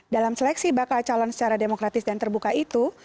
dalam seleksi bakal calon secara demokratis dan terbuka itu